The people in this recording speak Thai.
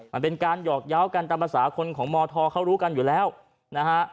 มันเป็นการหยอกเยาว์กันตามภาษาคนของมธเขารู้กันอยู่แล้วนะฮะ